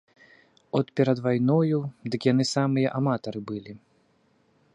От перад вайною, дык яны самыя аматары былі.